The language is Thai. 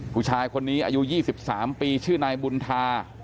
ผู้ชายคนนี้อายุ๒๓ปีชื่อนายบุญธา